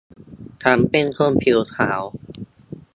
ฉันเป็นคนผิวขาว